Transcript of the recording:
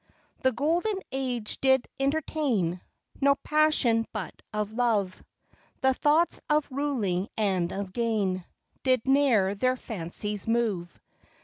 The golden age did entertain No passion but of love ; The thoughts of ruling and of gain Did ne'er their fancies move.